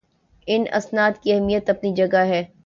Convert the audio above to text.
ان اسناد کی اہمیت اپنی جگہ ہے